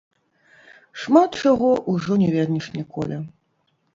Шмат чаго ужо не вернеш ніколі.